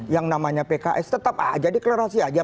yang namanya pks tetap aja deklarasi aja